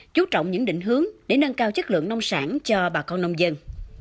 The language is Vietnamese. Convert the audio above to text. chú trọng những định hướng để nâng cao chất lượng nông sản cho bà con nông dân